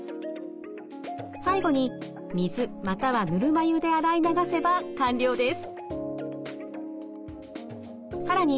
最後に水またはぬるま湯で洗い流せば完了です。